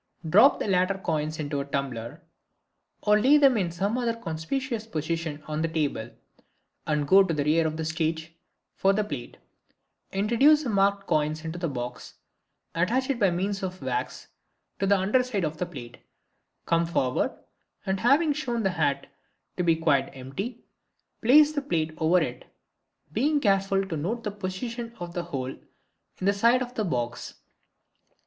Drop the latter coins into a tumbler, or lay them in some other conspicuous position on the table, and go to the rear of the stage for the plate. Introduce the marked coins into the box, and attach it by means of the wax to the under side of the plate. Come forward, and having shown the hat to be quite empty, place the plate over it, being careful to note the position of the hole in the side of the box.